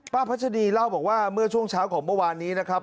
พัชดีเล่าบอกว่าเมื่อช่วงเช้าของเมื่อวานนี้นะครับ